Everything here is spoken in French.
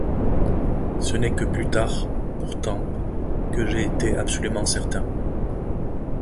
Ce n'est que plus tard, pourtant, que j'ai été absolument certain.